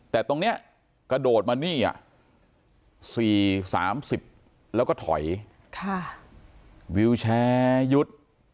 แต่ตรงนี้กระโดดมานี่๔๓๐แล้วก็ถอยวิวแชร์ยุด